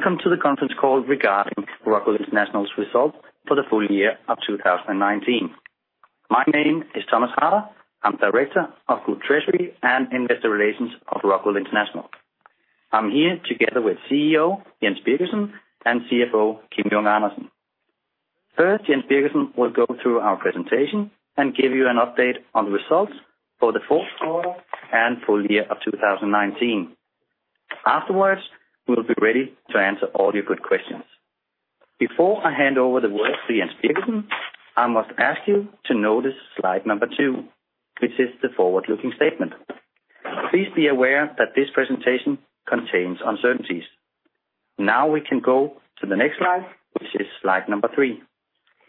Welcome to the conference call regarding Rockwool International's results for the full year of 2019. My name is Thomas Harder. I'm director of Group Treasury and Investor Relations of Rockwool International. I'm here together with CEO, Jens Birgersson, and CFO, Kim Junge Andersen. Jens Birgersson will go through our presentation and give you an update on the results for the fourth quarter and full year of 2019. We'll be ready to answer all your good questions. Before I hand over the words to Jens Birgersson, I must ask you to notice slide number two, which is the forward-looking statement. Please be aware that this presentation contains uncertainties. We can go to the next slide, which is slide number three.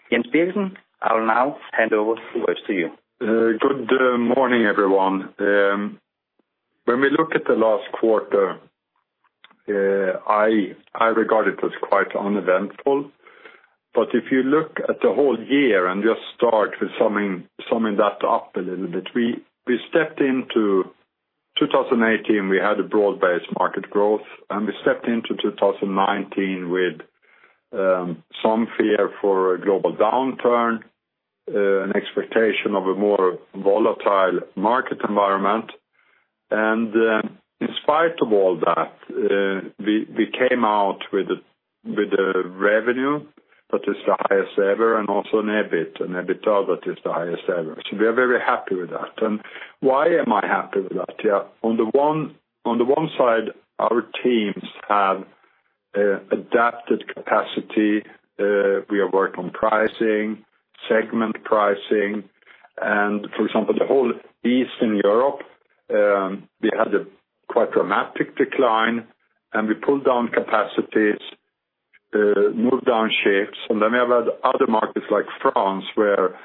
Jens Birgersson, I will now hand over the words to you. Good morning, everyone. When we look at the last quarter, I regard it as quite uneventful. If you look at the whole year and just start with summing that up a little bit, we stepped into 2018, we had a broad-based market growth, we stepped into 2019 with some fear for a global downturn, an expectation of a more volatile market environment. In spite of all that, we came out with a revenue that is the highest ever and also an EBIT and EBITDA that is the highest ever. We are very happy with that. Why am I happy with that? On the one side, our teams have adapted capacity. We have worked on pricing, segment pricing, and for example, the whole Eastern Europe, we had a quite dramatic decline and we pulled down capacities, moved down shifts. We have had other markets like France, where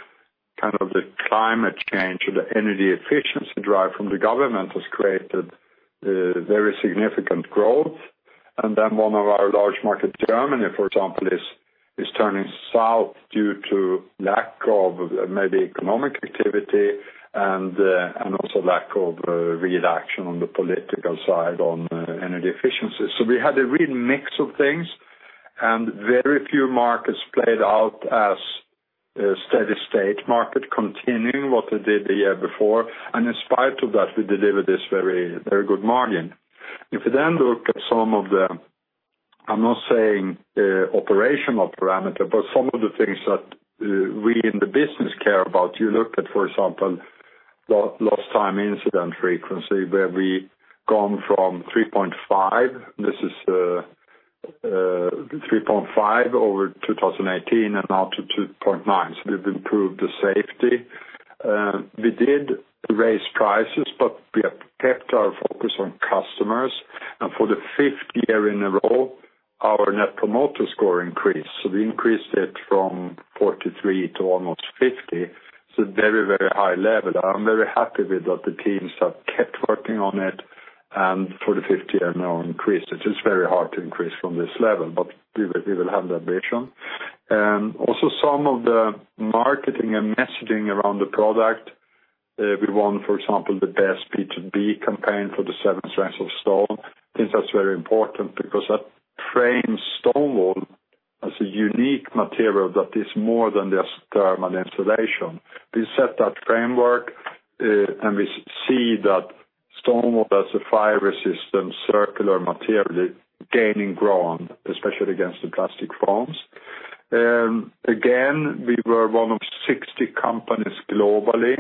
the climate change or the energy efficiency drive from the government has created very significant growth. One of our large markets, Germany, for example, is turning south due to lack of maybe economic activity and also lack of real action on the political side on energy efficiency. We had a real mix of things, and very few markets played out as a steady state market continuing what they did the year before. In spite of that, we delivered this very good margin. If we look at some of the, I'm not saying operational parameter, but some of the things that we in the business care about. You look at, for example, Lost Time Incident Frequency, where we've gone from 3.5 over 2018 and now to 2.9. We've improved the safety. We did raise prices, but we have kept our focus on customers. For the fifth year in a row, our Net Promoter Score increased. We increased it from 43 to almost 50. It's a very high level. I'm very happy with that the teams have kept working on it and for the fifth year now increased, which is very hard to increase from this level. We will have the ambition. Also, some of the marketing and messaging around the product. We won, for example, the best B2B campaign for the Seven Strengths of Stone. I think that's very important because that frames stone wool as a unique material that is more than just thermal insulation. We set that framework, and we see that stone wool as a fire-resistant circular material is gaining ground, especially against the plastic foams. We were one of 60 companies globally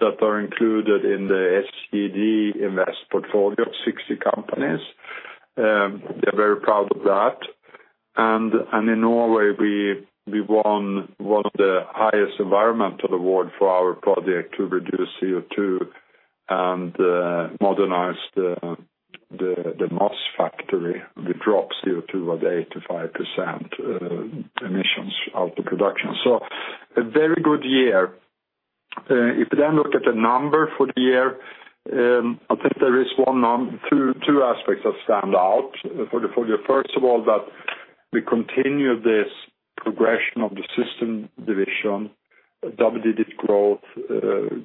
that are included in the SCD Invest portfolio of 60 companies. We are very proud of that. In Norway, we won one of the highest environmental award for our project to reduce CO2 and modernize the Moss factory. We dropped CO2 with 85% emissions out of production. A very good year. If you look at the number for the year, I think there is two aspects that stand out for the full year. First of all, that we continue this progression of the Systems division, double-digit growth, good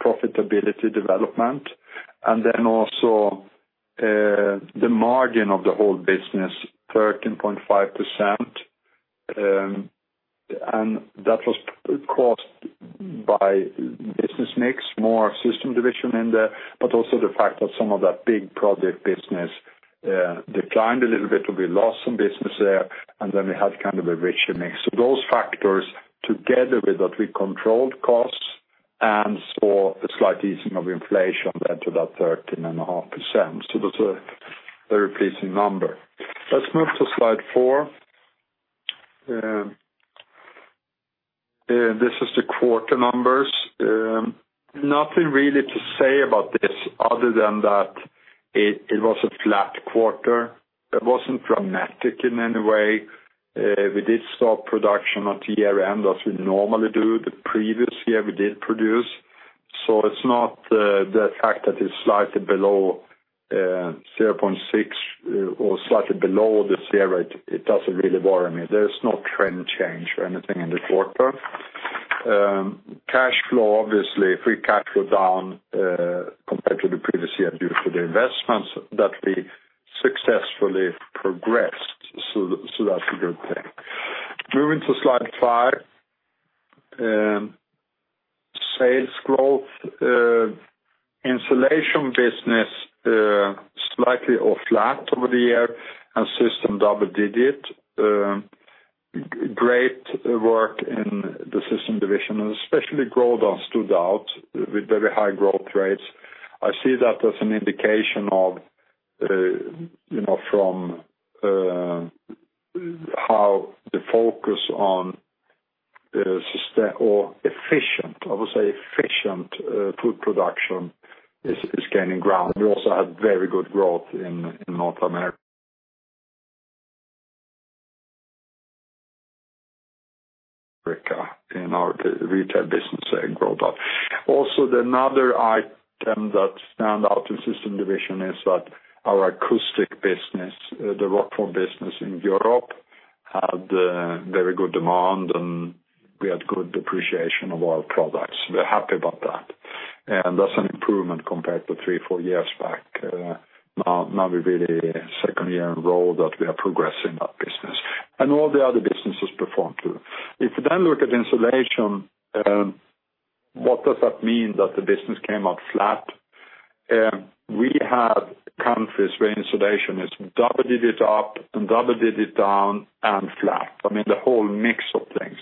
profitability development, and also the margin of the whole business, 13.5%. That was caused by business mix, more Systems division in there, but also the fact that some of that big project business declined a little bit. We lost some business there, we had kind of a richer mix. Those factors, together with that we controlled costs and saw a slight easing of inflation, entered that 13.5%. That's a very pleasing number. Let's move to slide four. This is the quarter numbers. Nothing really to say about this other than that it was a flat quarter. It wasn't dramatic in any way. We did stop production at year-end, as we normally do. The previous year, we did produce. It's not the fact that it's slightly below 0.6 or slightly below the C rate. It doesn't really worry me. There is no trend change or anything in the quarter. Cash flow, obviously free cash flow down, compared to the previous year due to the investments that we successfully progressed. That's a good thing. Moving to slide five, sales growth. Insulation business slightly off flat over the year and Systems double digits. Great work in the Systems division, and especially Grodan stood out with very high growth rates. I see that as an indication of how the focus on efficient, I would say efficient food production is gaining ground. We also had very good growth in North America, in our retail business growth. Another item that stand out in Systems division is that our acoustic business, the Rockwool business in Europe, had very good demand, and we had good appreciation of our products. We're happy about that, and that's an improvement compared to three, four years back. We're really second year in a row that we are progressing that business, and all the other businesses perform, too. If you look at Insulation, what does that mean that the business came out flat? We had countries where Insulation is double digits up and double digits down and flat. I mean, the whole mix of things.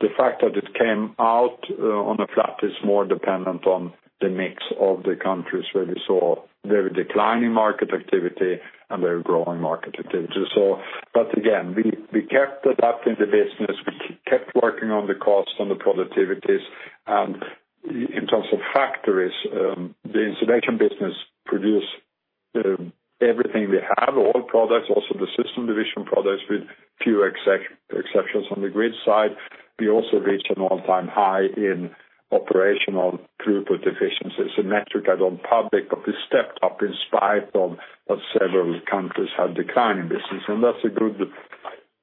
The fact that it came out on a flat is more dependent on the mix of the countries where we saw very declining market activity and very growing market activity. Again, we kept adapting the business. We kept working on the costs, on the productivities. In terms of factories, the Insulation business produce everything we have, all products, also the Systems division products, with few exceptions on the grid side. We also reached an all-time high in operational group efficiencies, a metric I don't public, we stepped up in spite of several countries had decline in business. That's a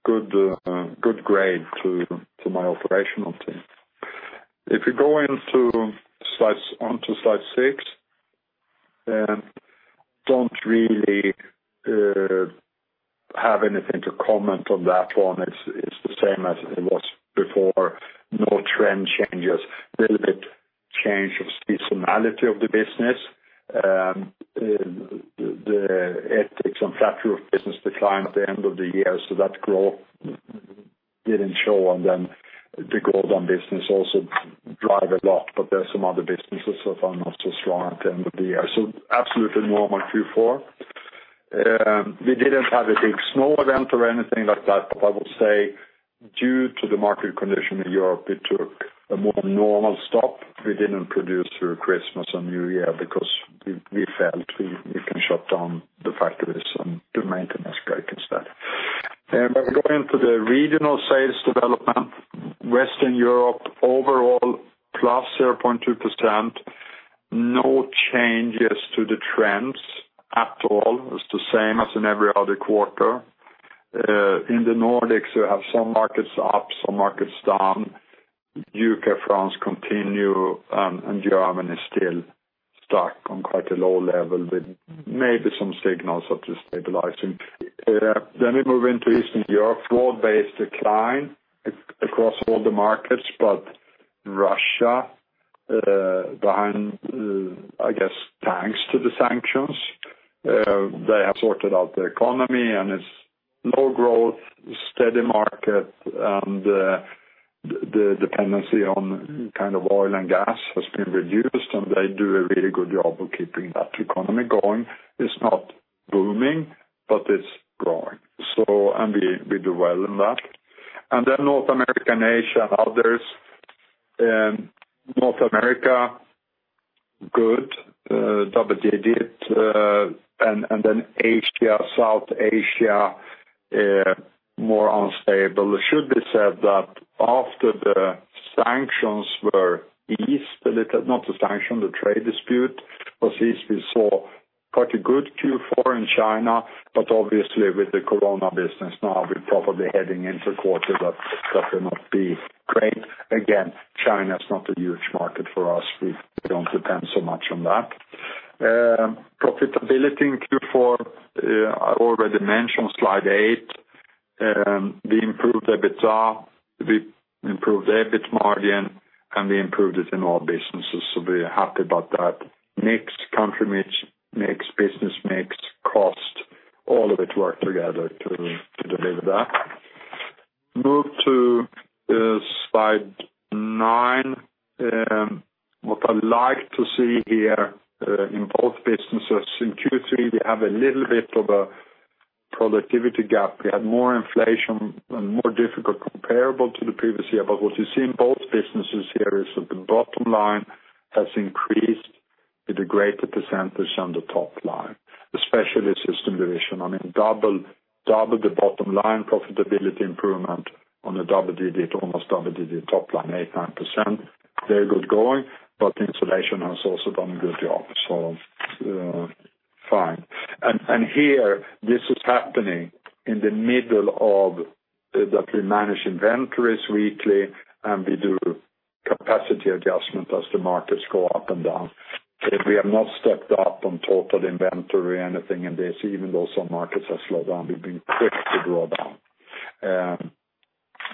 good grade to my operational team. If you go on to slide six, don't really have anything to comment on that one. It's the same as it was before. No trend changes. Little bit change of seasonality of the business. The ethics and flat roof business decline at the end of the year, so that growth didn't show. The Grodan business also drive a lot, but there's some other businesses that are not so strong at the end of the year. Absolutely normal Q4. We didn't have a big snow event or anything like that, but I would say due to the market condition in Europe, it took a more normal stop. We didn't produce through Christmas and New Year because we felt we can shut down the factories and do maintenance work instead. Going to the regional sales development, Western Europe overall plus 0.2%, no changes to the trends at all. It's the same as in every other quarter. In the Nordics, you have some markets up, some markets down. U.K., France continue. Germany still stuck on quite a low level with maybe some signals of just stabilizing. We move into Eastern Europe. Broad-based decline across all the markets. Russia behind, I guess, thanks to the sanctions. They have sorted out the economy. It's low growth, steady market, and the dependency on oil and gas has been reduced, and they do a really good job of keeping that economy going. It's not booming. It's growing, and we do well in that. North America and Asia and others. North America, good, double digits. Asia, South Asia more unstable. It should be said that after the sanctions were eased a little, not the sanction, the trade dispute was eased, we saw quite a good Q4 in China. Obviously with the Coronavirus business now, we're probably heading into a quarter that will not be great. Again, China is not a huge market for us. We don't depend so much on that. Profitability in Q4, I already mentioned slide eight. We improved EBITDA, we improved the EBIT margin, and we improved it in all businesses, so we're happy about that. Mix, country mix, business mix, cost, all of it work together to deliver that. Move to slide nine. What I like to see here in both businesses, in Q3, we have a little bit of a productivity gap. We had more inflation and more difficult comparable to the previous year. What you see in both businesses here is that the bottom line has increased at a greater percentage than the top line, especially Systems division. I mean, double the bottom line profitability improvement on a double digit, almost double digit top line, 8%, 9%. Very good going. Insulation segment has also done a good job. Fine. Here, this is happening. We manage inventories weekly, and we do capacity adjustment as the markets go up and down. We have not stepped up on total inventory or anything in this, even though some markets have slowed down, we've been quick to draw down.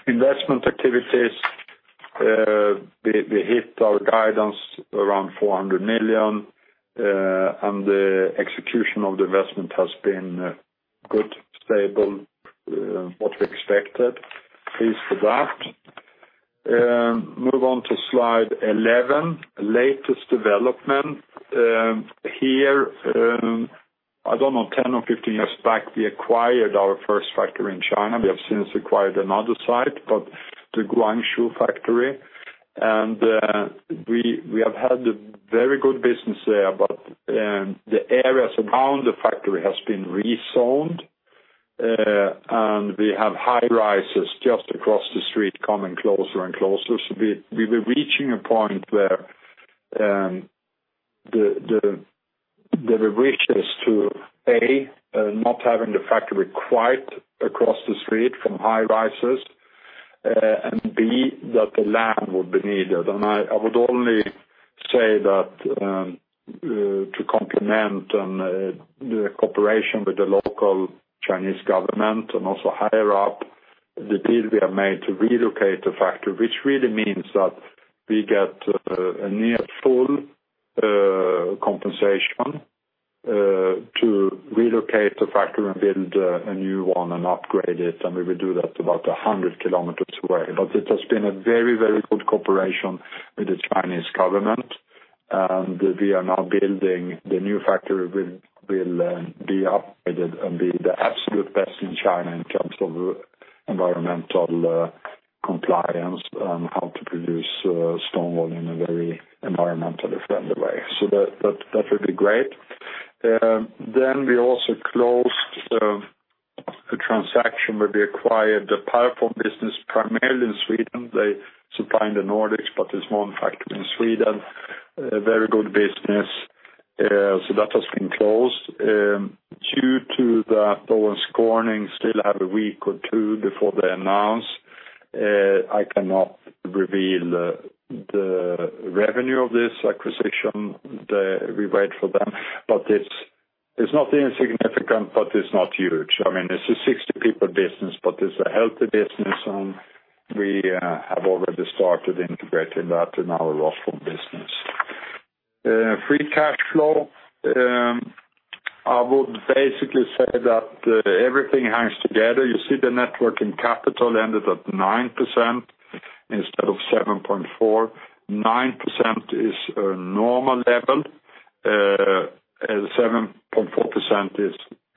Investment activities, we hit our guidance around 400 million, and the execution of the investment has been good, stable, what we expected. Pleased with that. Move on to slide 11, latest development. Here, I don't know, 10 or 15 years back, we acquired our first factory in China. We have since acquired another site, but the Guangzhou factory, and we have had very good business there, but the areas around the factory has been rezoned, and we have high-rises just across the street coming closer and closer. We're reaching a point where there are risks to, A, not having the factory quite across the street from high-rises, and B, that the land would be needed. I would only say that to complement on the cooperation with the local Chinese government and also higher up, the deal we have made to relocate the factory, which really means that we get a near full compensation to relocate the factory and build a new one and upgrade it, and we will do that about 100 km away. It has been a very good cooperation with the Chinese government, and we are now building the new factory, will be upgraded and be the absolute best in China in terms of environmental compliance on how to produce stone wool in a very environmentally friendly way. That will be great. We also closed a transaction where we acquired the Pyroform business primarily in Sweden. They supply in the Nordics, but there's one factory in Sweden. A very good business. That has been closed. Due to the Thorn warning, still have a week or two before they announce, I cannot reveal the revenue of this acquisition. We wait for them, it's not insignificant, but it's not huge. It's a 60-people business, but it's a healthy business, and we have already started integrating that in our Rockwool business. Free cash flow, I would basically say that everything hangs together. You see the net working capital ended at 9% instead of 7.4%. 9% is a normal level, as 7.4% is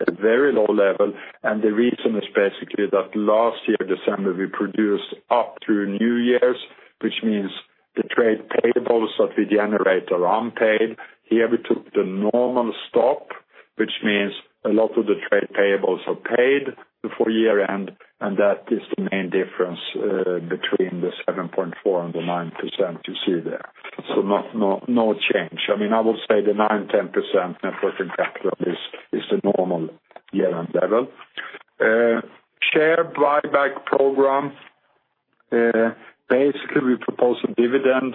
a very low level, and the reason is basically that last year, December, we produced up through New Year's, which means the trade payables that we generate are unpaid. Here we took the normal stop, which means a lot of the trade payables are paid before year-end, and that is the main difference between the 7.4% and the 9% you see there. No change. I would say the 9%, 10% net working capital is the normal year-end level. Share buyback program. Basically, we propose a dividend,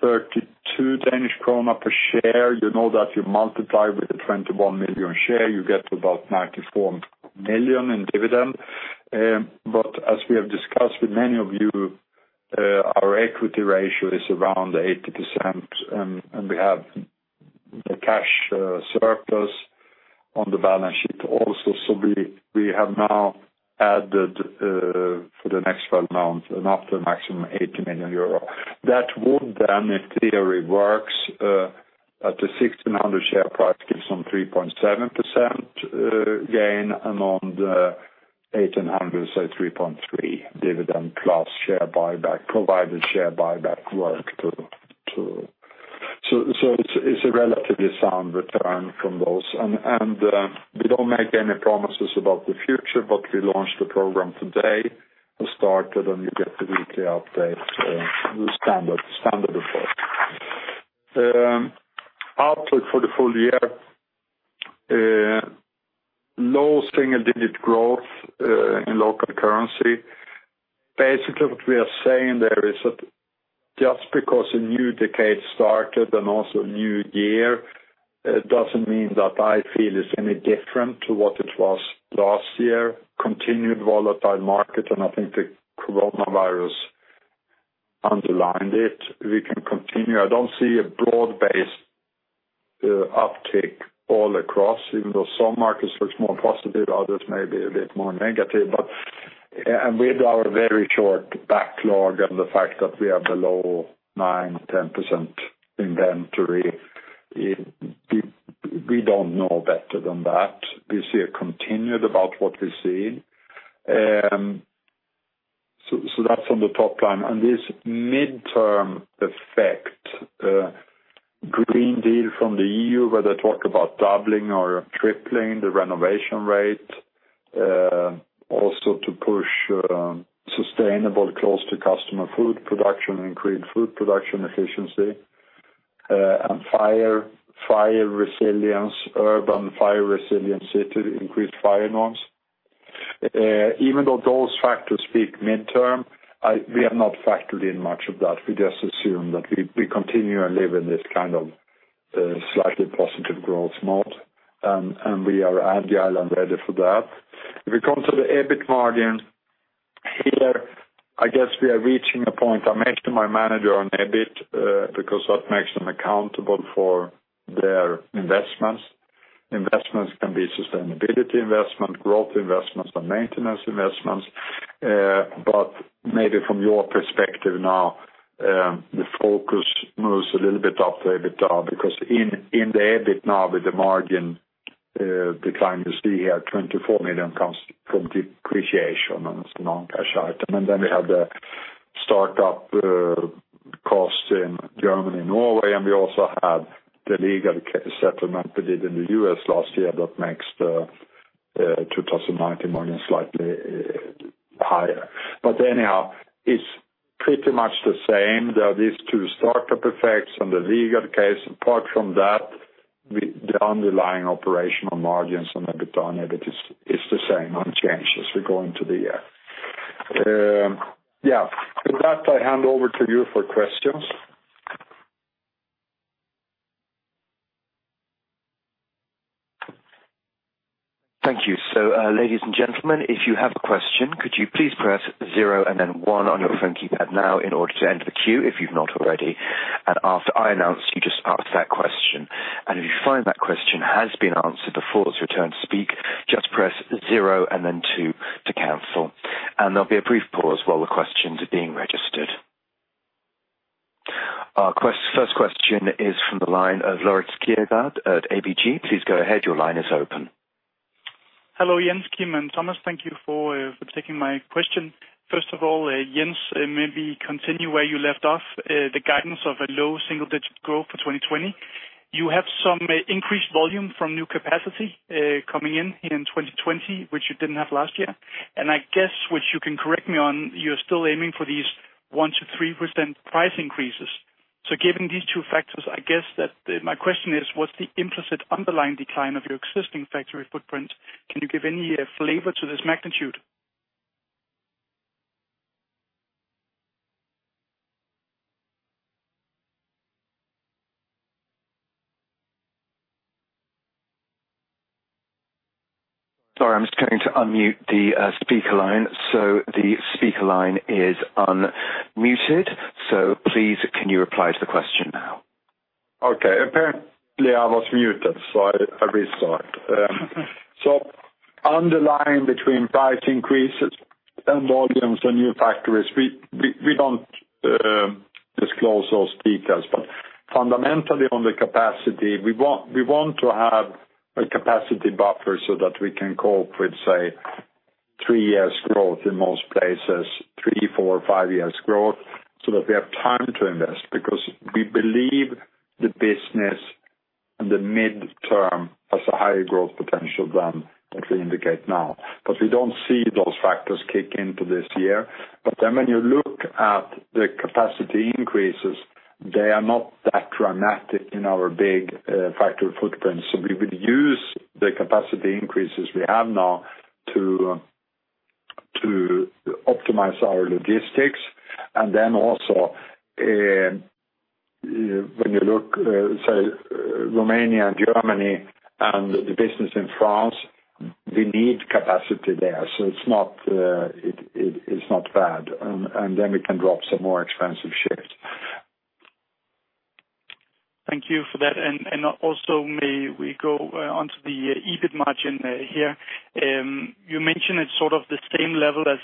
32 Danish krone per share. You know that you multiply with the 21 million share, you get about 94 million in dividend. As we have discussed with many of you, our equity ratio is around 80%, and we have a cash surplus on the balance sheet also. We have now added for the next 12 months and up to a maximum 80 million euro. That would, if theory works, at the 1,600 share price gives some 3.7% gain and on the 1,800, 3.3% dividend plus share buyback, provided share buyback work too. It's a relatively sound return from those. We don't make any promises about the future, but we launched the program today. We started, and you get the weekly update, the standard report. Outlook for the full year, low single-digit growth in local currency. What we are saying there is that just because a new decade started and also a new year, it doesn't mean that I feel it's any different to what it was last year, continued volatile market, and I think the Coronavirus underlined it. We can continue. I don't see a broad-based uptick all across, even though some markets looks more positive, others may be a bit more negative. With our very short backlog and the fact that we are below 9%-10% inventory, we don't know better than that. We see a continued about what we've seen. That's on the top line. This midterm effect, Green Deal from the EU, where they talk about doubling or tripling the renovation rate. Also to push sustainable close to customer food production, increased food production efficiency, and urban fire resiliency to increase fire norms. Even though those factors speak midterm, we have not factored in much of that. We just assume that we continue and live in this kind of slightly positive growth mode. We are agile and ready for that. If it comes to the EBIT margin, here, I guess we are reaching a point. I mentioned my manager on EBIT, because that makes them accountable for their investments. Investments can be sustainability investment, growth investments, or maintenance investments. Maybe from your perspective now, the focus moves a little bit up the EBITDA, because in the EBIT now with the margin decline, you see here 24 million comes from depreciation and it's a non-cash item. Then we have the startup cost in Germany and Norway, and we also had the legal case settlement we did in the U.S. last year that makes the 2019 margin slightly higher. Anyhow, it's pretty much the same. There are these two startup effects and the legal case. Apart from that, the underlying operational margins on EBITDA, it's the same unchanged as we go into the year. Yeah. With that, I hand over to you for questions. Thank you. Ladies and gentlemen, if you have a question, could you please press zero and then one on your phone keypad now in order to enter the queue, if you've not already. After I announce you, just ask that question. If you find that question has been answered before it's your turn to speak, just press zero and then two to cancel. There'll be a brief pause while the questions are being registered. Our first question is from the line of Laurits Kiergaard at ABG. Please go ahead. Your line is open. Hello, Jens, Kim, and Thomas. Thank you for taking my question. First of all, Jens, maybe continue where you left off, the guidance of a low single-digit growth for 2020. You have some increased volume from new capacity coming in in 2020, which you didn't have last year. I guess, which you can correct me on, you're still aiming for these 1%-3% price increases. Given these two factors, I guess that my question is, what's the implicit underlying decline of your existing factory footprint? Can you give any flavor to this magnitude? Sorry, I'm just going to unmute the speaker line. The speaker line is unmuted. Please can you reply to the question now? Okay. Apparently, I was muted, so I restart. Underlying between price increases and volumes and new factories, we don't disclose those details. Fundamentally on the capacity, we want to have a capacity buffer so that we can cope with, say, three years growth in most places, three, four, five years growth, so that we have time to invest. Because we believe the business in the midterm has a higher growth potential than what we indicate now. We don't see those factors kick into this year. When you look at the capacity increases, they are not that dramatic in our big factory footprint. We will use the capacity increases we have now to optimize our logistics. Also when you look, say, Romania and Germany and the business in France, we need capacity there, so it's not bad. We can drop some more expensive shifts. Thank you for that. May we go on to the EBIT margin here? You mentioned it's sort of the same level as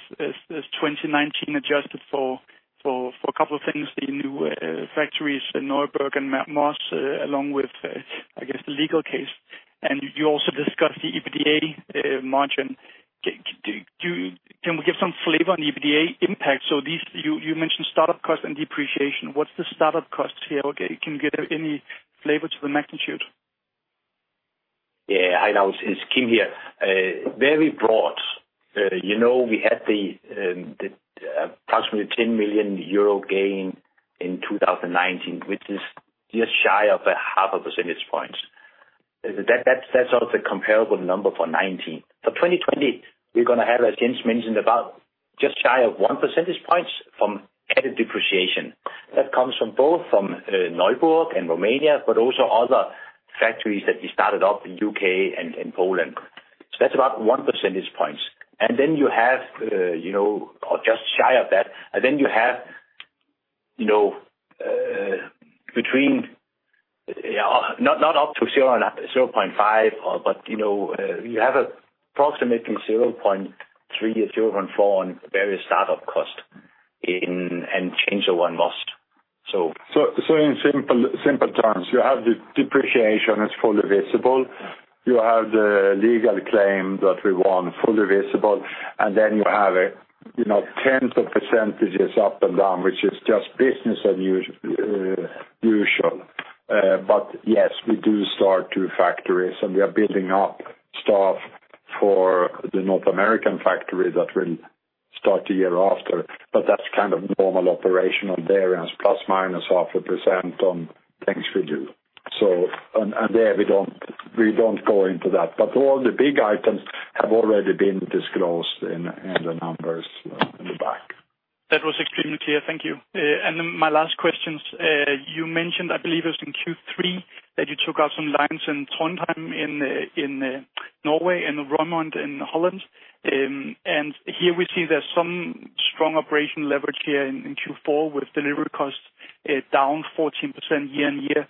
2019, adjusted for a couple of things, the new factories in Neuburg and Moss, along with, I guess, the legal case. You discussed the EBITDA margin. Can we get some flavor on the EBITDA impact? You mentioned startup cost and depreciation. What's the startup cost here? Can you give any flavor to the magnitude? Yeah, hi now it's Kim here. Very broad. We had the approximately 10 million euro gain in 2019, which is just shy of a half a percentage point. That's sort of the comparable number for 2019. For 2020, we're going to have, as Jens mentioned, about just shy of one percentage point from added depreciation. That comes from both Neuburg and Romania, but also other factories that we started up in U.K. and in Poland. That's about one percentage point or just shy of that. Then you have approximately 0.3 or 0.4 on various startup cost and change of one-off. In simple terms, you have the depreciation that's fully visible. You have the legal claim that we won, fully visible, and then you have tens of percentages up and down, which is just business as usual. Yes, we do start two factories, and we are building up staff for the North American factory that will start a year after. That's normal operation on there as ±0.5% on things we do. We don't go into that. All the big items have already been disclosed in the numbers in the back. That was extremely clear. Thank you. My last questions, you mentioned, I believe it was in Q3, that you took out some lines in Trondheim, in Norway, and Roermond, in Holland. Here we see there's some strong operational leverage here in Q4 with delivery costs down 14% year-on-year.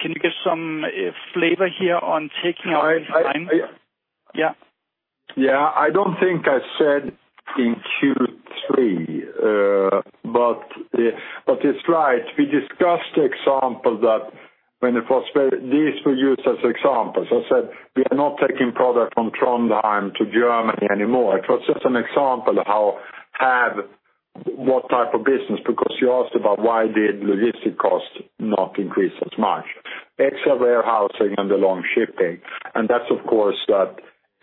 Can you give some flavor here on taking out this line? I don't think I said in Q3. It's right. We discussed the example that when it was. These we use as examples. I said we are not taking product from Trondheim to Germany anymore. It was just an example of what type of business, because you asked about why did logistic cost not increase as much. Extra warehousing and the long shipping. That's, of course,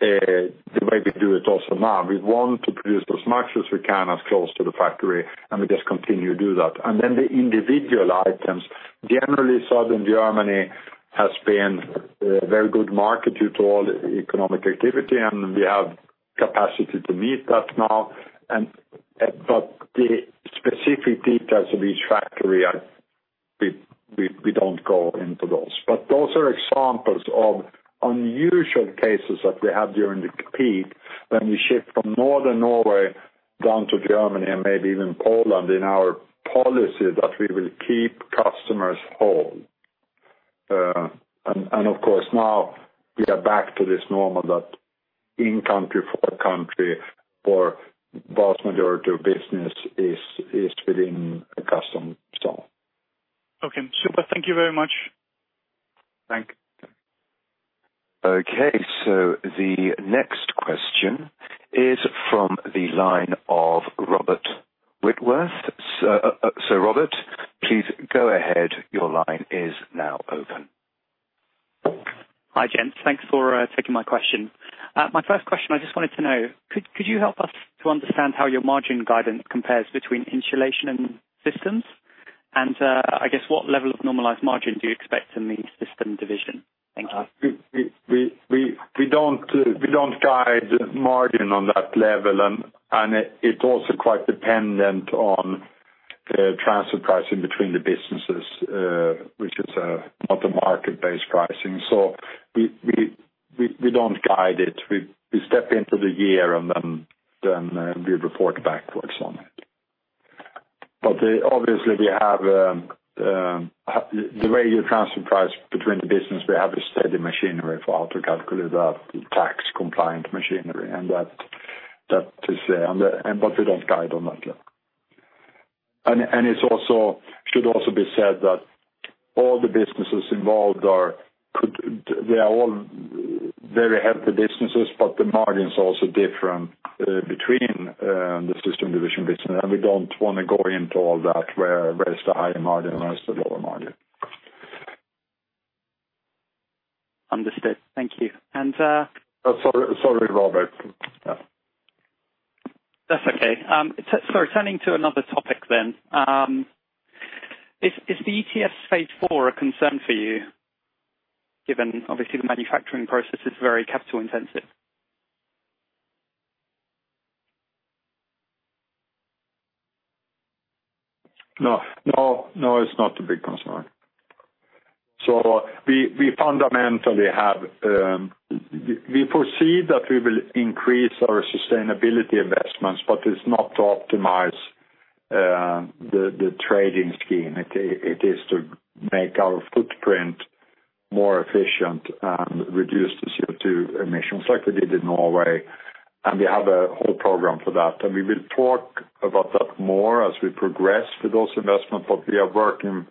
the way we do it also now. We want to produce as much as we can as close to the factory, and we just continue to do that. Then the individual items, generally Southern Germany has been a very good market due to all the economic activity, and we have capacity to meet that now. The specific details of each factory, we don't go into those. Those are examples of unusual cases that we had during the peak when we ship from Northern Norway down to Germany and maybe even Poland in our policy that we will keep customers whole. Of course, now we are back to this normal that in-country, for a country, for vast majority of business is within a custom zone. Okay, super. Thank you very much. Thank you. Okay, the next question is from the line of Robert Whitworth. Robert, please go ahead. Your line is now open. Hi, gents. Thanks for taking my question. My first question, I just wanted to know, could you help us to understand how your margin guidance compares between Insulation and Systems? I guess what level of normalized margin do you expect in the Systems division? Thank you. We don't guide margin on that level, and it's also quite dependent on transfer pricing between the businesses, which is not a market-based pricing. We don't guide it. We step into the year and then we report back to examine it. Obviously the way you transfer price between the business, we have a steady machinery for how to calculate that, the tax compliant machinery and that is there. We don't guide on that level. It should also be said that all the businesses involved they are all very healthy businesses, but the margins also differ between the Systems division business, and we don't want to go into all that, where is the higher margin, where is the lower margin. Understood. Thank you. Sorry, Robert. That's okay. Turning to another topic then. Is the EU ETS phase 4 a concern for you given obviously the manufacturing process is very CapEx intensive? No, it is not a big concern. We foresee that we will increase our sustainability investments, but it is not to optimize the trading scheme. It is to make our footprint more efficient and reduce the CO2 emissions like we did in Norway. We have a whole program for that. We will talk about that more as we progress with those investments. We are working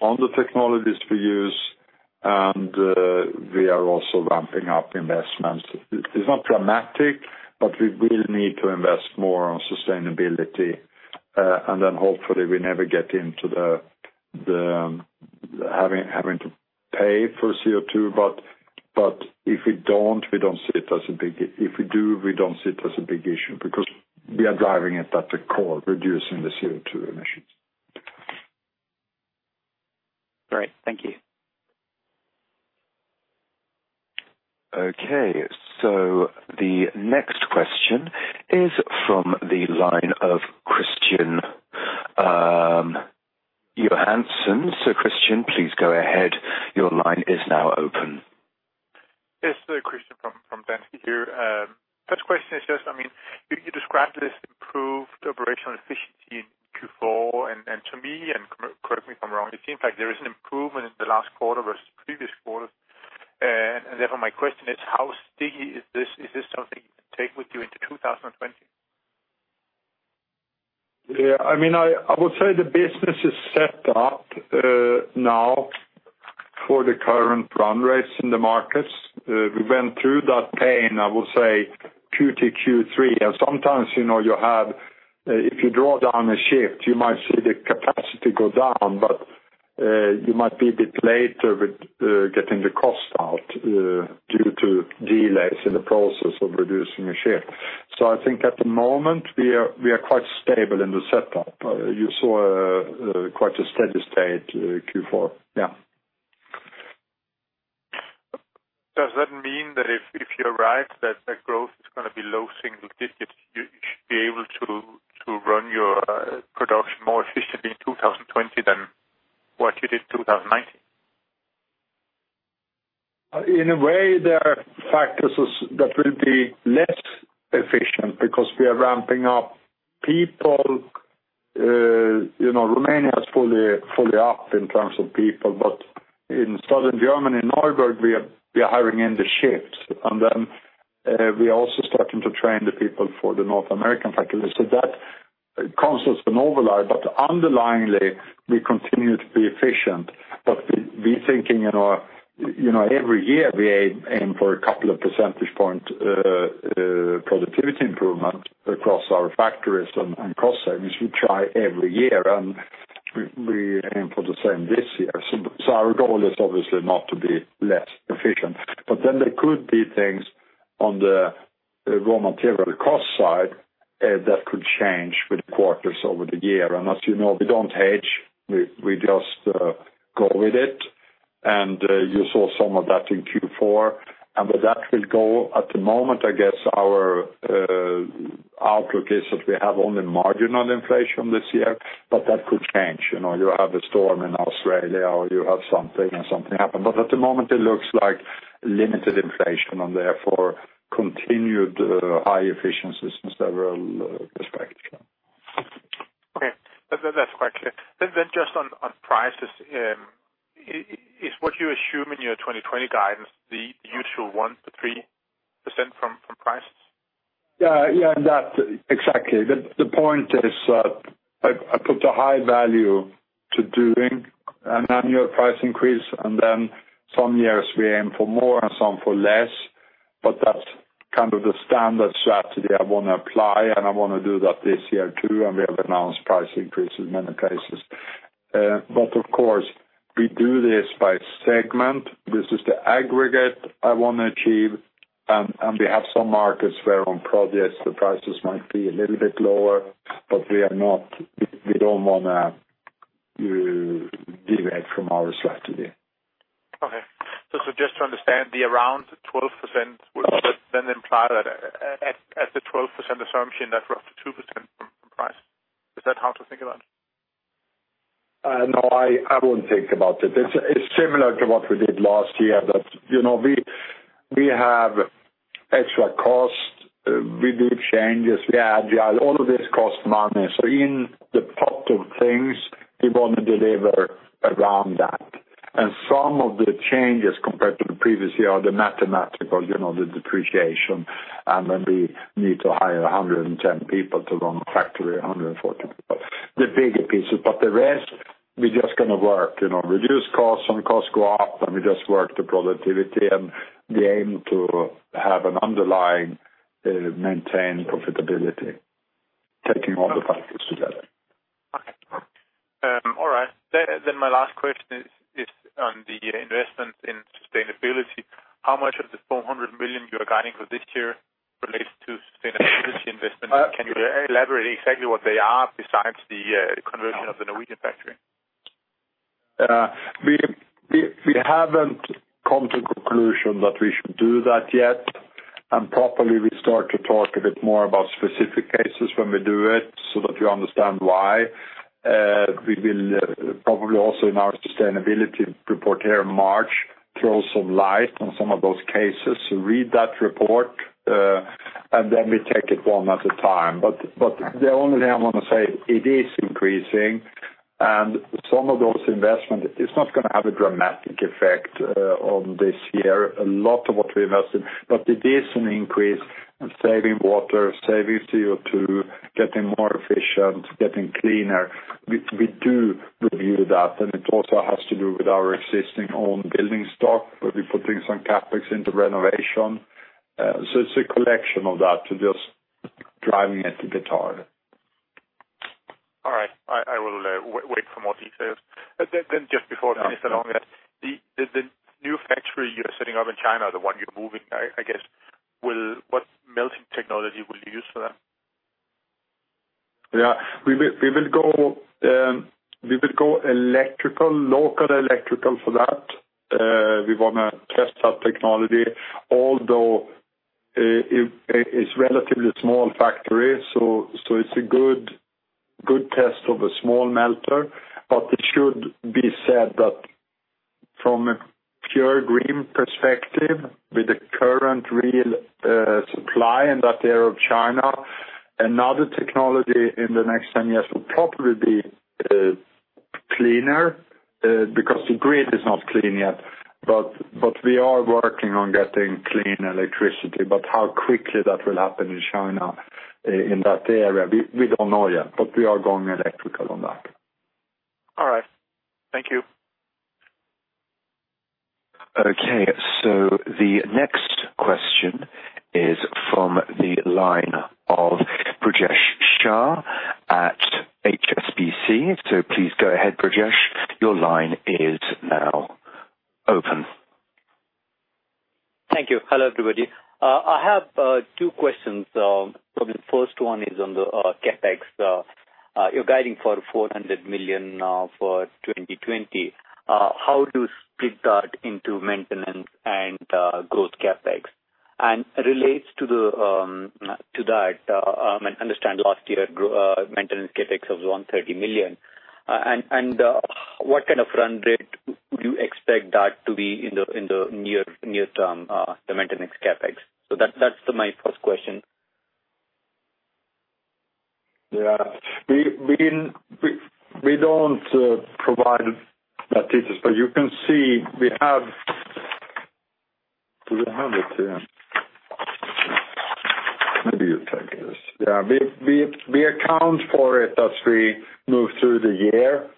on the technologies we use. We are also ramping up investments. It is not dramatic, but we will need to invest more on sustainability. Hopefully we never get into the having to pay for CO2. If we don't, If we do, we don't see it as a big issue because we are driving it at the core, reducing the CO2 emissions. Great. Thank you. Okay, the next question is from the line of Christian Johansson. Christian, please go ahead. Your line is now open. Yes, Christian from Danske here. First question is just, you described this improved operational efficiency in Q4, and to me, and correct me if I'm wrong, it seems like there is an improvement in the last quarter versus the previous quarter. Therefore my question is, how sticky is this? Is this something you can take with you into 2020? Yeah, I would say the business is set up now for the current run rates in the markets. We went through that pain, I will say Q2, Q3. Sometimes, if you draw down a shift, you might see the capacity go down, but you might be a bit late with getting the cost out due to delays in the process of reducing a shift. I think at the moment, we are quite stable in the setup. You saw quite a steady state Q4. Yeah. Does that mean that if you're right, that the growth is going to be low single digits, you should be able to run your production more efficiently in 2020 than what you did in 2019? There are factors that will be less efficient because we are ramping up people. Romania is fully up in terms of people, but in Southern Germany, in Neuburg, we are hiring in the shifts. Then we are also starting to train the people for the North American factories. That causes an overlay, but underlyingly, we continue to be efficient. We're thinking every year, we aim for a couple of percentage point productivity improvement across our factories and cost savings. We try every year, and we aim for the same this year. Our goal is obviously not to be less efficient. There could be things on the raw material cost side that could change with quarters over the year. As you know, we don't hedge. We just go with it. You saw some of that in Q4. With that will go, at the moment, I guess our outlook is that we have only marginal inflation this year, but that could change. You have a storm in Australia or you have something and something happen. At the moment it looks like limited inflation and therefore continued high efficiencies from several perspective. Okay. That's quite clear. Just on prices, is what you assume in your 2020 guidance the usual 1%-3% from prices? Exactly. The point is, I put a high value to doing an annual price increase. Some years we aim for more and some for less, that's kind of the standard strategy I want to apply. I want to do that this year too. We have announced price increases in many cases. Of course, we do this by segment. This is the aggregate I want to achieve. We have some markets where on projects, the prices might be a little bit lower, we don't want to deviate from our strategy. Okay. Just to understand the around 12% would then imply that at the 12% assumption, that's roughly 2% from price. Is that how to think about it? No, I wouldn't think about it. It's similar to what we did last year. We have extra costs, we do changes, we are agile, all of this costs money. In the pot of things, we want to deliver around that. Some of the changes compared to the previous year are the mathematical, the depreciation, and then we need to hire 110 people to run a factory, 140 people. The bigger pieces. The rest, we're just going to work. Reduce costs, some costs go up, and we just work the productivity and we aim to have an underlying maintained profitability, taking all the factors together. Okay. All right. My last question is on the investment in sustainability. How much of the 400 million you are guiding for this year relates to sustainability investment? Can you elaborate exactly what they are besides the conversion of the Norwegian factory? We haven't come to conclusion that we should do that yet. Probably, we start to talk a bit more about specific cases when we do it so that you understand why. We will probably also in our sustainability report here in March, throw some light on some of those cases. Read that report, and then we take it one at a time. The only thing I want to say, it is increasing, and some of those investment, it's not going to have a dramatic effect on this year, a lot of what we invested. It is an increase in saving water, saving CO2, getting more efficient, getting cleaner. We do review that, and it also has to do with our existing own building stock, where we're putting some CapEx into renovation. It's a collection of that to just driving it a bit harder. All right. I will wait for more details. Just before I finish along that, the new factory you're setting up in China, the one you're moving, I guess, what melting technology will you use for that? Yeah. We will go electrical, local electrical for that. We want to test that technology, although it's a relatively small factory, so it's a good test of a small melter. It should be said that from a pure green perspective, with the current real supply in that area of China, another technology in the next 10 years will probably be cleaner because the grid is not clean yet. We are working on getting clean electricity. How quickly that will happen in China, in that area, we don't know yet, but we are going electrical on that. All right. Thank you. Okay, the next question is from the line of Prajesh Shah at HSBC. Please go ahead, Prajesh. Your line is now open. Thank you. Hello, everybody. I have two questions. Probably the first one is on the CapEx. You're guiding for 400 million for 2020. How to split that into maintenance and growth CapEx? Relates to that, I understand last year, maintenance CapEx was 130 million. What kind of run rate would you expect that to be in the near term, the maintenance CapEx? That's my first question. Yeah. We don't provide that, Prajesh, but you can see we have Do we have it? Maybe you take this. Yeah. We account for it as we move through the year.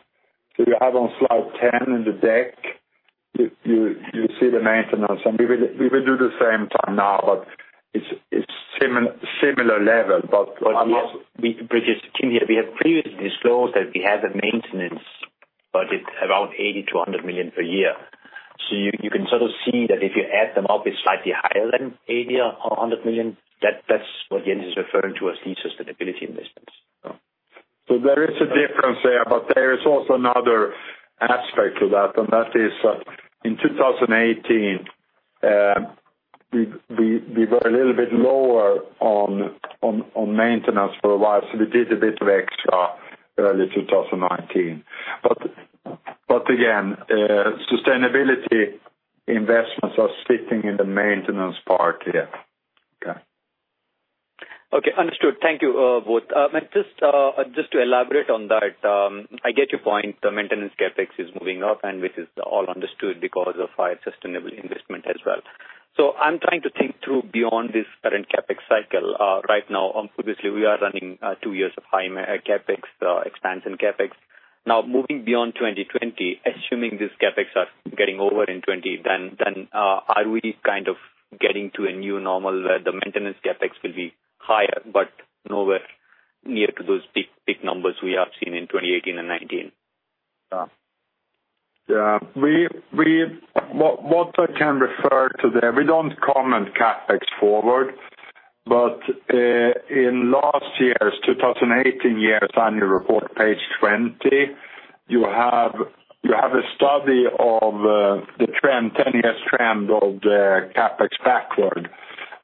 You have on slide 10 in the deck, you see the maintenance, and we will do the same time now, but it's similar level. Yes, Prajesh, we have previously disclosed that we have a maintenance budget around 80 million-100 million per year. You can sort of see that if you add them up, it is slightly higher than 80 million or 100 million. That is what Jens is referring to as the sustainability investments. There is a difference there, but there is also another aspect to that, and that is, in 2018, we were a little bit lower on maintenance for a while, so we did a bit of extra early 2019. Again, sustainability investments are sitting in the maintenance part here. Okay. Okay, understood. Thank you, both. Just to elaborate on that, I get your point. The maintenance CapEx is moving up, and which is all understood because of our sustainable investment as well. I'm trying to think through beyond this current CapEx cycle right now. Obviously, we are running two years of high CapEx, expansion CapEx. Moving beyond 2020, assuming these CapEx are getting over in 2020, are we kind of getting to a new normal where the maintenance CapEx will be higher but nowhere near to those big numbers we have seen in 2018 and 2019? What I can refer to there, we don't comment CapEx forward, but in last year's, 2018 year's annual report, page 20, you have a study of the 10 years trend of the CapEx backward,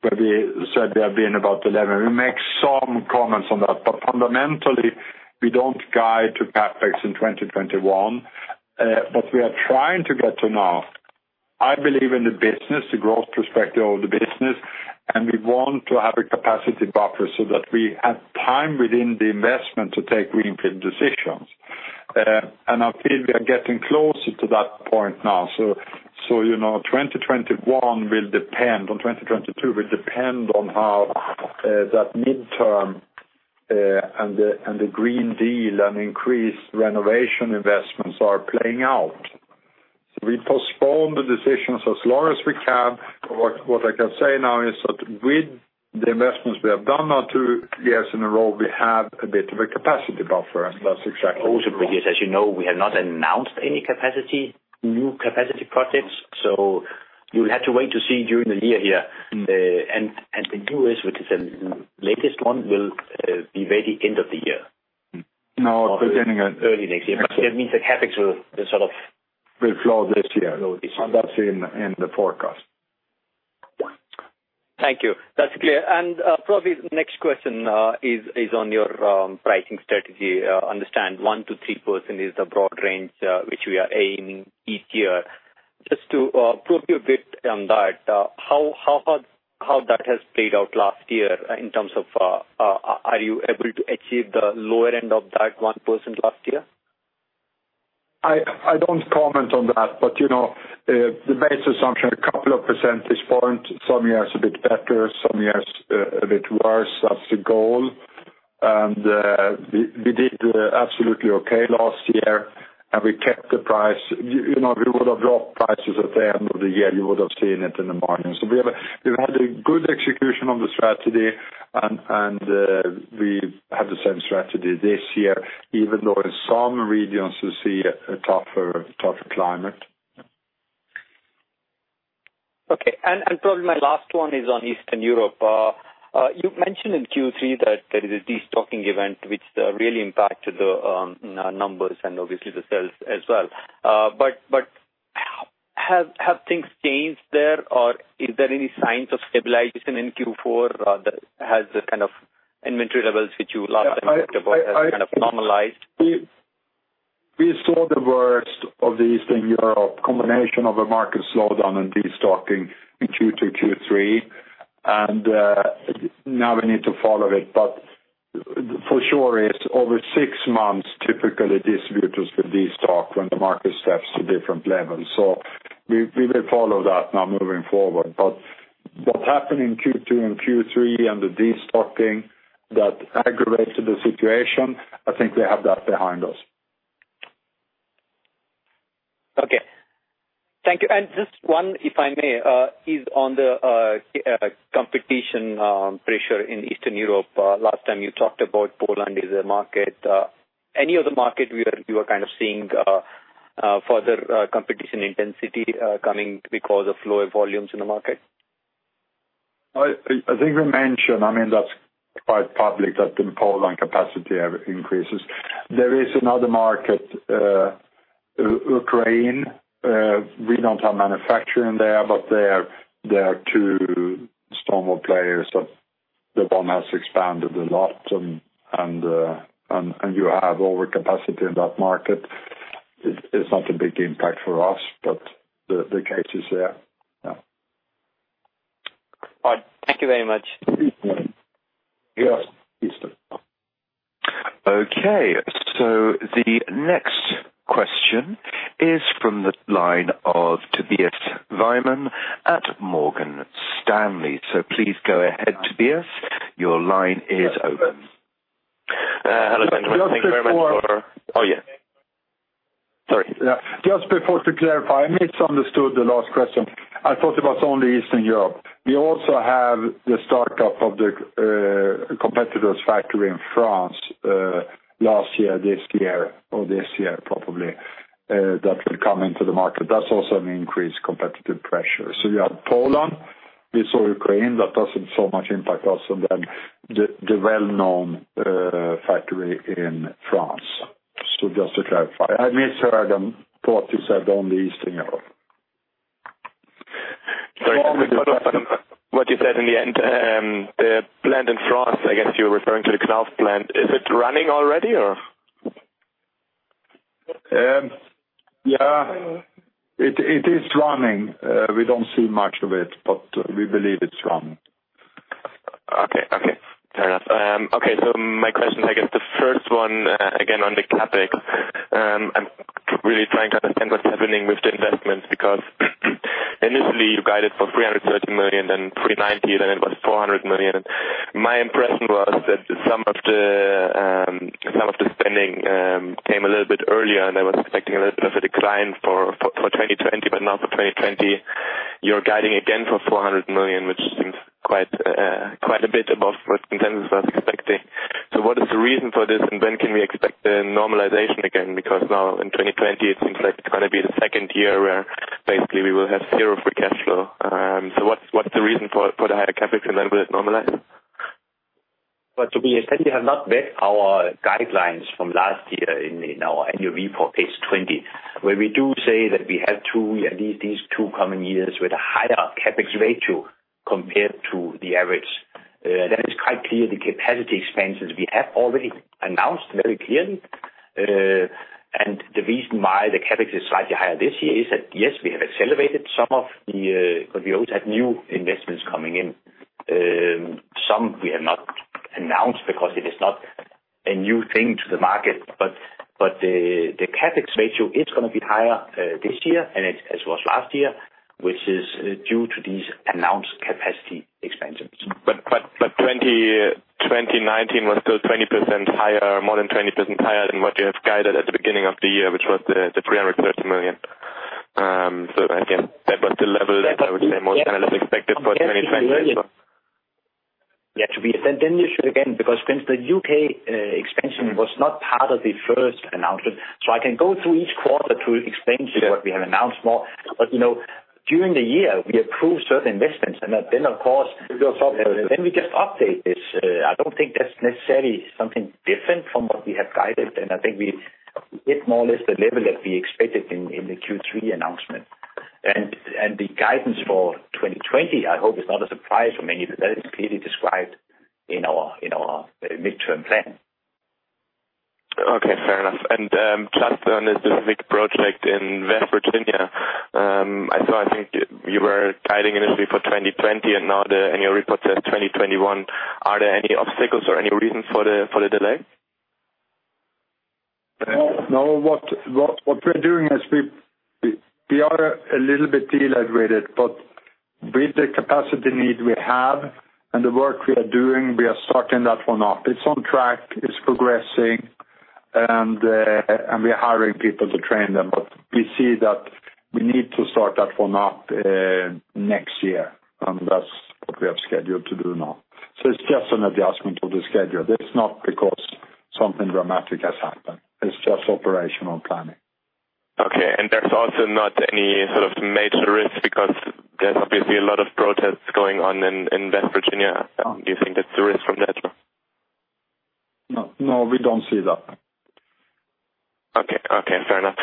where we said there have been about 11. We make some comments on that, but fundamentally, we don't guide to CapEx in 2021. What we are trying to get to now, I believe in the business, the growth perspective of the business, and we want to have a capacity buffer so that we have time within the investment to take green print decisions. I feel we are getting closer to that point now. 2021 will depend on 2022, will depend on how that midterm, and the Green Deal, and increased renovation investments are playing out. We postpone the decisions as long as we can. What I can say now is that with the investments we have done now two years in a row, we have a bit of a capacity buffer. Prajesh, as you know, we have not announced any new capacity projects, you'll have to wait to see during the year here. The U.S., which is the latest one, will be very end of the year. No, beginning of Early next year. That means the CapEx will. Will flow this year. This year. That's in the forecast. Thank you. That's clear. Probably the next question is on your pricing strategy. Understand 1%-3% is the broad range which we are aiming each year. Just to probe you a bit on that, how that has played out last year in terms of are you able to achieve the lower end of that 1% last year? I don't comment on that. The base assumption, a couple of percentage points, some years a bit better, some years a bit worse. That's the goal. We did absolutely okay last year. We kept the price. If we would've dropped prices at the end of the year, you would've seen it in the margin. We've had a good execution on the strategy. We have the same strategy this year, even though in some regions we see a tougher climate. Okay. Probably my last one is on Eastern Europe. You mentioned in Q3 that there is a de-stocking event which really impacted the numbers and obviously the sales as well. Have things changed there, or is there any signs of stabilization in Q4 that has the kind of inventory levels which you last time talked about? I has kind of normalized? We saw the worst of the Eastern Europe combination of a market slowdown and destocking in Q2, Q3, and now we need to follow it. For sure is over six months, typically, distributors will destock when the market steps to different levels. We will follow that now moving forward. What happened in Q2 and Q3 and the destocking that aggravated the situation, I think we have that behind us. Okay. Thank you. Just one, if I may, is on the competition pressure in Eastern Europe. Last time you talked about Poland is a market. Any other market you are seeing further competition intensity coming because of lower volumes in the market? I think we mentioned, that's quite public that in Poland, capacity increases. There is another market, Ukraine. We don't have manufacturing there, but there are two Stormor players that one has expanded a lot, and you have over capacity in that market. It's not a big impact for us, but the case is there. Yeah. All right. Thank you very much. Yes, please. Okay, the next question is from the line of Tobias Weimann at Morgan Stanley. Please go ahead, Tobias. Your line is open. Hello, gentlemen. Just before Oh, yeah. Sorry. Yeah. Just before to clarify, I misunderstood the last question. I thought it was only Eastern Europe. We also have the startup of the competitor's factory in France, last year, this year, or this year probably, that will come into the market. That's also an increased competitive pressure. You have Poland, we saw Ukraine, that doesn't so much impact us, and then the well-known factory in France. Just to clarify. I misheard and thought you said only Eastern Europe. Sorry, just to confirm what you said in the end, the plant in France, I guess you're referring to the Knauf plant. Is it running already or? Yeah. It is running. We don't see much of it, but we believe it's running. Okay. Fair enough. Okay. My question, I guess the first one, again, on the CapEx. I am really trying to understand what is happening with the investments because initially you guided for 330 million, then 390 million, then it was 400 million, and my impression was that some of the spending came a little bit earlier, and I was expecting a little bit of a decline for 2020. Now for 2020, you are guiding again for 400 million, which seems quite a bit above what consensus was expecting. What is the reason for this, and when can we expect the normalization again? Now in 2020, it seems like it is going to be the second year where basically we will have zero free cash flow. What is the reason for the higher CapEx and when will it normalize? Tobias, then you have not read our guidelines from last year in our annual report, page 20, where we do say that we have these two coming years with a higher CapEx ratio compared to the average. That is quite clear, the capacity expansions we have already announced very clearly. The reason why the CapEx is slightly higher this year is that, yes, we have accelerated some of the because we always had new investments coming in. Some we have not announced because it is not a new thing to the market, the CapEx ratio, it's going to be higher this year and as was last year, which is due to these announced capacity expansions. 2019 was still 20% higher, more than 20% higher than what you have guided at the beginning of the year, which was the 330 million. Again, that was the level that I would say most analysts expected for 2020. Yeah, Tobias, you should again, since the U.K. expansion was not part of the first announcement. I can go through each quarter to explain to you what we have announced more. During the year, we approved certain investments. We just update. We just update this. I don't think that's necessarily something different from what we have guided, and I think we hit more or less the level that we expected in the Q3 announcement. The guidance for 2020, I hope it's not a surprise for many that is clearly described in our midterm plan. Okay, fair enough. Just on a specific project in West Virginia, I saw, I think you were guiding initially for 2020, and now the annual report says 2021. Are there any obstacles or any reasons for the delay? No, what we're doing is we are a little bit delayed with it, but with the capacity need we have and the work we are doing, we are starting that one up. It's on track, it's progressing, and we are hiring people to train them. We see that we need to start that one up next year, and that's what we have scheduled to do now. It's just an adjustment to the schedule. It's not because something dramatic has happened. It's just operational planning. Okay, there's also not any sort of major risk because there's obviously a lot of protests going on in West Virginia. Do you think there's a risk from that? No, we don't see that. Okay. Fair enough.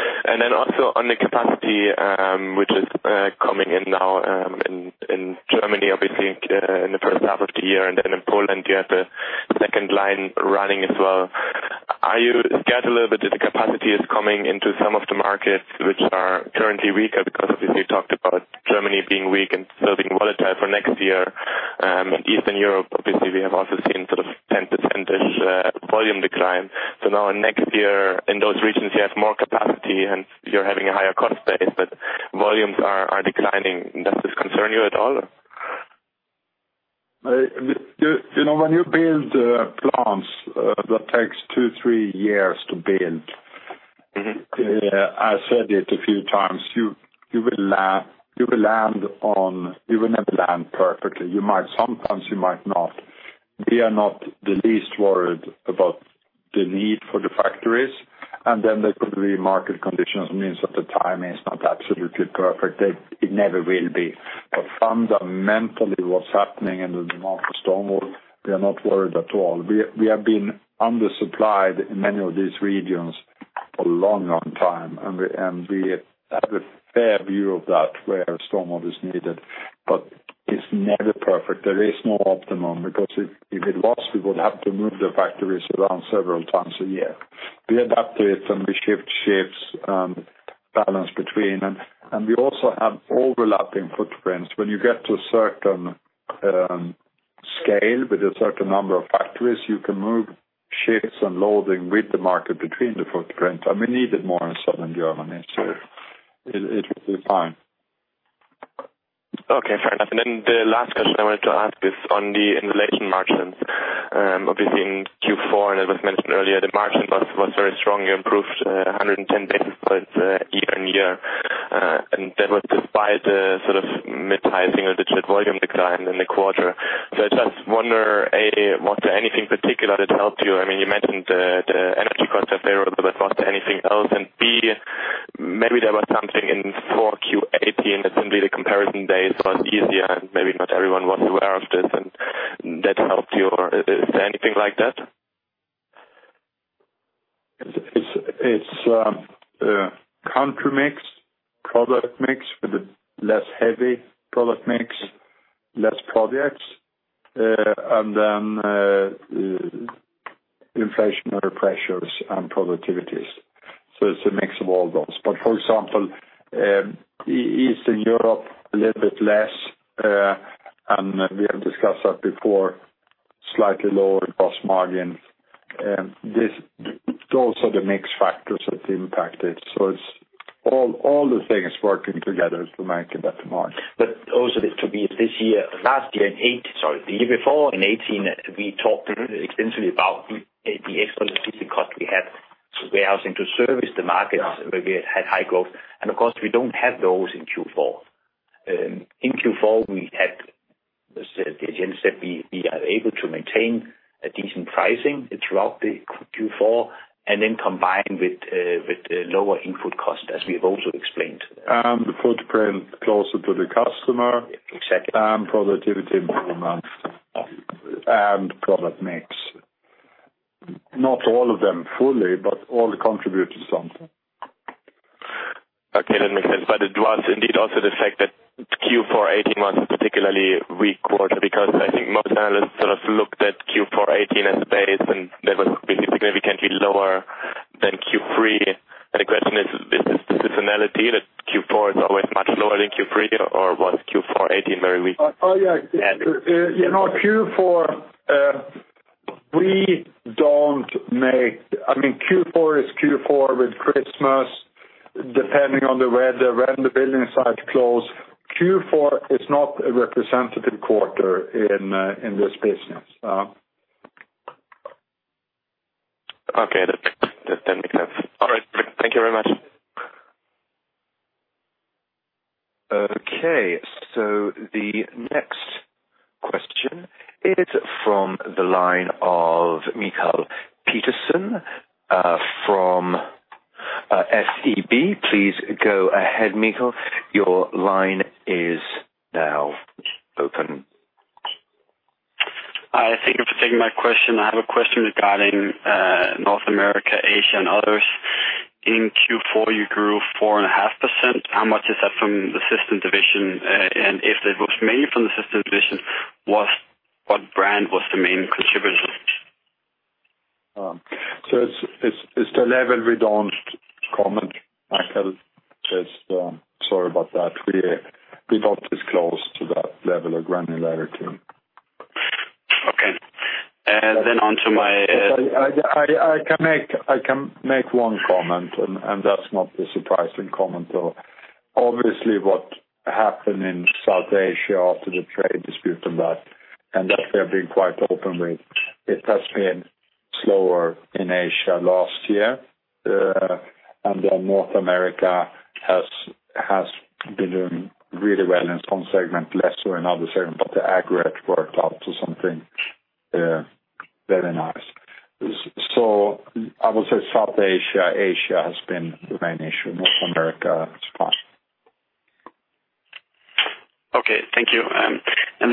Also on the capacity, which is coming in now, in Germany, obviously, in the first half of the year, in Poland, you have the second line running as well. Are you scared a little bit that the capacity is coming into some of the markets which are currently weaker? Obviously you talked about Germany being weak and still being volatile for next year. Eastern Europe, obviously, we have also seen sort of 10% volume decline. Now next year in those regions, you have more capacity and you're having a higher cost base, but volumes are declining. Does this concern you at all? When you build plants, that takes two, three years to build. I said it a few times. You will never land perfectly. Sometimes you might not. We are not the least worried about the need for the factories, and then there could be market conditions means that the timing is not absolutely perfect. It never will be. Fundamentally, what's happening in the demand for stone wool, we are not worried at all. We have been undersupplied in many of these regions for a long, long time, and we have a fair view of that where stone wool is needed. It's never perfect. There is no optimum because if it was, we would have to move the factories around several times a year. We adapt to it and we shift shapes and balance between them. We also have overlapping footprints. When you get to a certain scale with a certain number of factories, you can move shifts and loading with the market between the footprints. We need it more in Southern Germany, so it will be fine. Okay, fair enough. Then the last question I wanted to ask is on the insulation margins. Obviously in Q4, and it was mentioned earlier, the margin was very strong. You improved 110 basis points year-on-year. That was despite the sort of mid-teens of the tiered volume decline in the quarter. I just wonder, A, was there anything particular that helped you? You mentioned the energy costs there, but was there anything else? B, maybe there was something in 4Q 2018 that simply the comparison base was easier and maybe not everyone was aware of this, and that helped you, or is there anything like that? It's country mix, product mix with the less heavy product mix, less projects, and then inflationary pressures and productivities. It's a mix of all those. For example, Eastern Europe a little bit less, and we have discussed that before, slightly lower gross margin. Those are the mix factors that impact it. It's all the things working together to make a better margin. Also, the year before in 2018, we talked extensively about the exclusivity cost. We had warehousing to service the markets where we had high growth. Of course, we don't have those in Q4. In Q4, we had, as Jens said, we are able to maintain a decent pricing throughout the Q4, and then combine with lower input cost, as we've also explained. The footprint closer to the customer. Exactly. Productivity improvement and product mix. Not all of them fully, but all contribute to something. Okay, that makes sense. It was indeed also the fact that Q4 2018 was a particularly weak quarter because I think most analysts sort of looked at Q4 2018 as a base, and that was really significantly lower than Q3. The question is this seasonality that Q4 is always much lower than Q3, or was Q4 2018 very weak? Oh, yeah. Q4 is Q4 with Christmas, depending on the weather, when the building sites close. Q4 is not a representative quarter in this business. Okay. That makes sense. All right. Thank you very much. The next question is from the line of Michael Peterson from SEB. Please go ahead, Michael. Your line is now open. Hi, thank you for taking my question. I have a question regarding North America, Asia, and others. In Q4, you grew 4.5%. How much is that from the Systems division? If it was mainly from the Systems division, what brand was the main contributor? It's the level we don't comment, Michael. Just sorry about that. We don't disclose to that level of granularity. Okay. I can make one comment, that's not a surprising comment though. Obviously, what happened in South Asia after the trade dispute and that, and that we have been quite open with, it has been slower in Asia last year. North America has been doing really well in some segments, less so in other segments, but the aggregate worked out to something very nice. I would say South Asia has been the main issue. North America is fine. Okay. Thank you.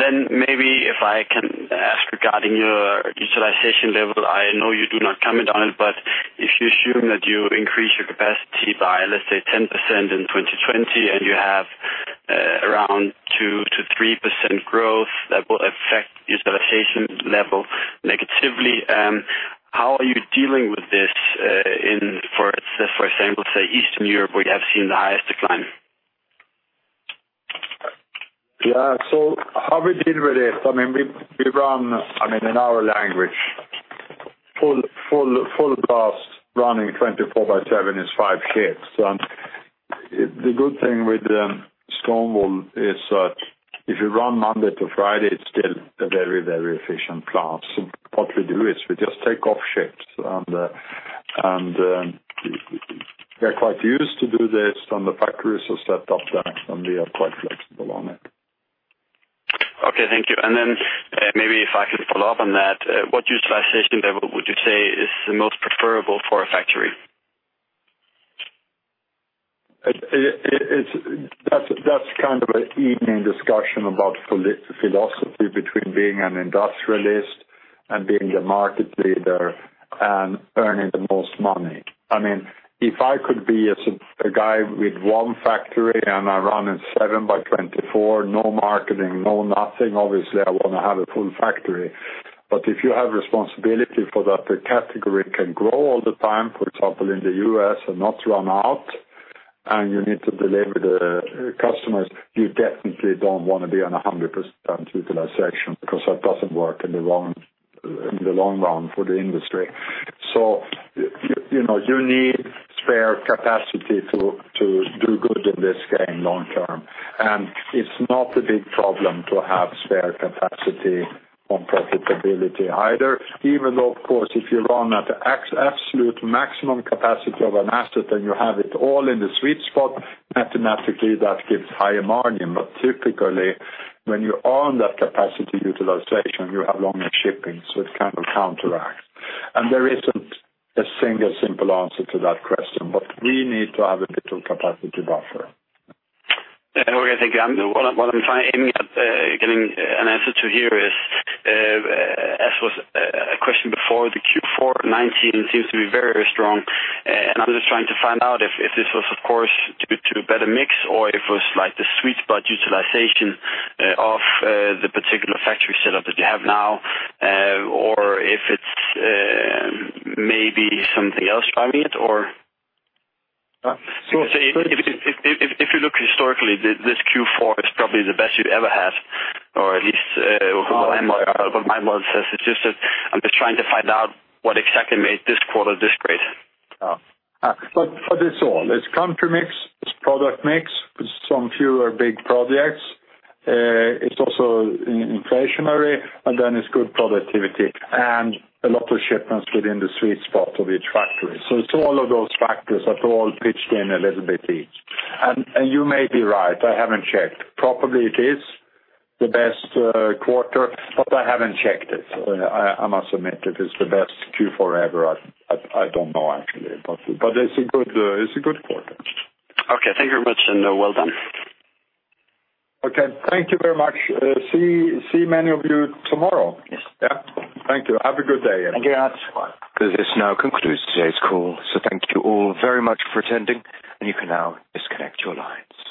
Then maybe if I can ask regarding your utilization level, I know you do not comment on it, but if you assume that you increase your capacity by, let's say, 10% in 2020 and you have around 2%-3% growth, that will affect utilization level negatively. How are you dealing with this in, for example, say Eastern Europe, where you have seen the highest decline? How we deal with this, we run, in our language, full blast, running 24/7 is five shifts. The good thing with stone wool is that if you run Monday to Friday, it's still a very efficient plant. What we do is we just take off shifts, and we are quite used to do this, and the factories are set up there, and we are quite flexible on it. Okay, thank you. Maybe if I could follow up on that, what utilization level would you say is the most preferable for a factory? That's kind of an evening discussion about philosophy between being an industrialist and being a market leader and earning the most money. If I could be a guy with one factory, and I run it 7 by 24, no marketing, no nothing, obviously, I want to have a full factory. If you have responsibility for that category can grow all the time, for example, in the U.S. and not run out, and you need to deliver the customers, you definitely don't want to be on 100% utilization because that doesn't work in the long run for the industry. You need spare capacity to do good in this game long term. It's not a big problem to have spare capacity on profitability either, even though, of course, if you run at absolute maximum capacity of an asset, then you have it all in the sweet spot. Mathematically, that gives higher margin. Typically, when you own that capacity utilization, you have longer shipping, so it kind of counteracts. There isn't a single simple answer to that question, but we need to have a little capacity buffer. Okay, thank you. What I'm aiming at getting an answer to here is, as was a question before, the Q4 2019 seems to be very strong. I'm just trying to find out if this was, of course, due to a better mix or if it was like the sweet spot utilization of the particular factory setup that you have now, or if it's maybe something else driving it. Sure If you look historically, this Q4 is probably the best you've ever had, or at least what my model says it is. I'm just trying to find out what exactly made this quarter this great. It's all. It's country mix, it's product mix, some fewer big projects. It's also inflationary, and then it's good productivity, and a lot of shipments within the sweet spot of each factory. It's all of those factors that all pitched in a little bit each. You may be right. I haven't checked. Probably it is the best quarter, but I haven't checked it. I must admit, if it's the best Q4 ever, I don't know, actually. It's a good quarter. Okay. Thank you very much, and well done. Okay. Thank you very much. See many of you tomorrow. Yes. Yeah. Thank you. Have a good day. Thank you. This now concludes today's call. Thank you all very much for attending, and you can now disconnect your lines.